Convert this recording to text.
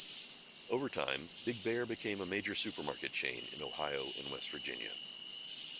Over time, Big Bear became a major supermarket chain in Ohio and West Virginia.